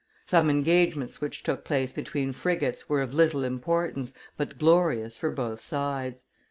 Some engagements which took place between frigates were of little importance, but glorious for both sides.